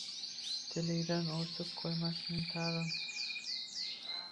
tilingdan osib qo‘ymasinlar tag‘in».